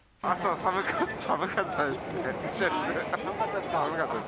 寒かったですか？